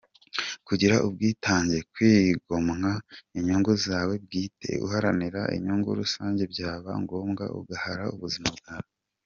Kugira ubwitange- Kwigomwa inyungu zawe bwite uharanira inyungu rusange byaba ngombwa ugahara ubuzima bwawe.